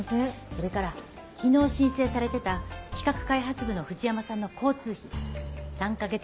それから昨日申請されてた企画開発部の藤山さんの交通費３か月